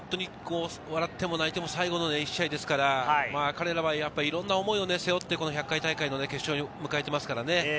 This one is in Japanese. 笑っても泣いても最後の１試合ですから、彼らはいろんな思いを背負って１００回大会の決勝を迎えていますからね。